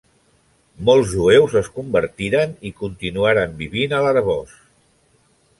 Molts jueus es convertiren i continuaren vivint a l'Arboç.